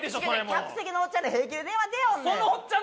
客席のおっちゃんら平気で電話出よんねん！